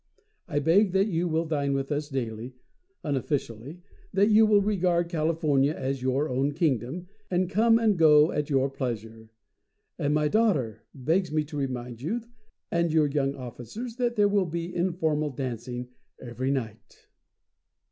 "I beg that you will dine with us daily unofficially that you will regard California as your own kingdom, and come and go at your pleasure. And my daughter begs me to remind you and your young officers that there will be informal dancing every night."